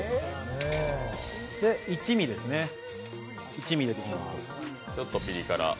一味を入れていきます。